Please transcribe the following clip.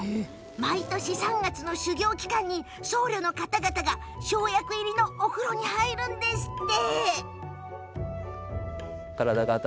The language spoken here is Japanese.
毎年３月の修行期間に僧侶の方々が生薬入りのお風呂に入るんですって。